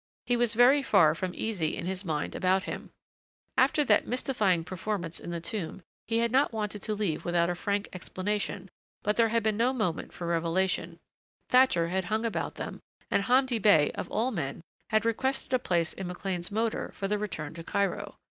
He was very far from easy in his mind about him. After that mystifying performance in the tomb he had not wanted to leave without a frank explanation, but there had been no moment for revelation; Thatcher had hung about them and Hamdi Bey, of all men, had requested a place in McLean's motor for the return to Cairo.